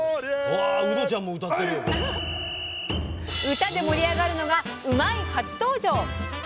歌で盛り上がるのが「うまいッ！」初登場朝